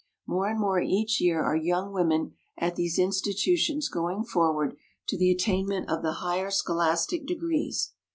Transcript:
More and more each year are young women at these institutions going forward to the attainment of the higher scholastic degrees.